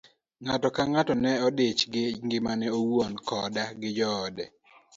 Ng'ato ka ng'ato ne odich gi ngimane owuon koda gi joode.